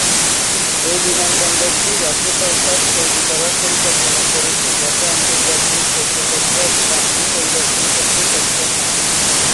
এই বিমানবন্দরটি রাজ্য সরকার তৈরি করার পরিকল্পনা করেছে, যাতে আন্তর্জাতিক পর্যটকরা স্থানটি পরিদর্শন করতে সক্ষম হন।